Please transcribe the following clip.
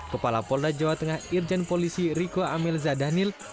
kepala polda jawa tengah irjen polisi riko amel zadhanil